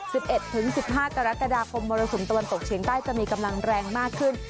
สิบเอ็ดถึงสิบห้ากรกฎาคมมรสุมตะวันตกเฉียงใต้จะมีกำลังแรงมากขึ้น